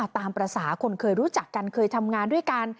ตามภาษาคนเคยรู้จักกันเคยทำงานด้วยกัน